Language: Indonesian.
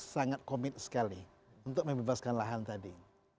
tujuh belas sangat komit sekali untuk membebaskan lahan tadi